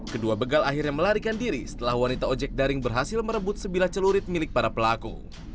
kedua begal akhirnya melarikan diri setelah wanita ojek daring berhasil merebut sebilah celurit milik para pelaku